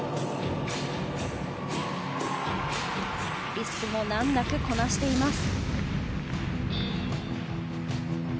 リスクも難なくこなしています。